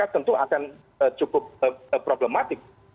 tentu akan cukup problematik